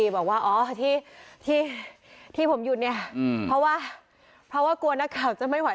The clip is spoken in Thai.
บอกว่าอ๋อที่ผมหยุดเนี่ยเพราะว่าเพราะว่ากลัวนักข่าวจะไม่ไหว